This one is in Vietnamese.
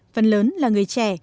phần lớn là người trẻ